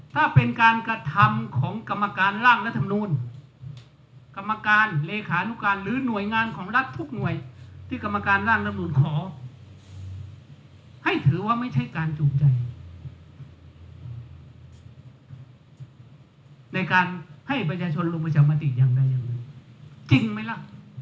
ถ้าเป็นการกระทำของกรรมการร่างรัฐมนูลกรรมการเลขานุการหรือหน่วยงานของรัฐทุกหน่วยที่กรรมการร่างรัฐมนูลขอให้ถือว่าไม่ใช่การจูงใจในการให้ประชาชนลงประชามติอย่างไรจริงไหมล่ะ